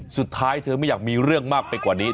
เธอไม่อยากมีเรื่องมากไปกว่านี้